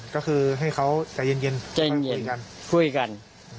ก็คือให้เขาใจเย็นพูดกัน